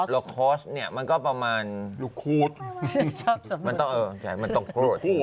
โลโคสนี่มันก็ประมาณโลโคสมันต้องโคส